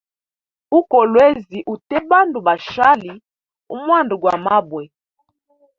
U kolwezi ute bandu bashali amwanda gwa mabwe.